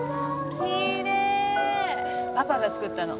パパが作ったの。